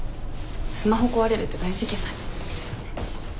スマホ壊れるって大事件だね。